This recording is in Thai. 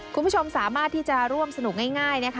คุณผู้ชมสามารถที่จะร่วมสนุกง่ายนะคะ